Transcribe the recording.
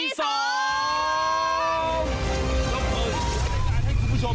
แล้วเพื่อนกรับรายการให้คุณผู้ชม